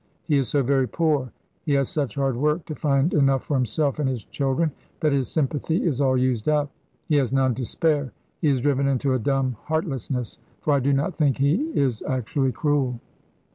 He is so very poor, he has such hard work to find enough for himself and his children, that his sympathy is all used up. He has none to spare. He is driven into a dumb heartlessness, for I do not think he is actually cruel.